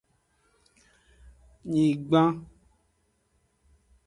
Nyigban.